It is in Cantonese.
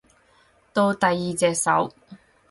到第二隻手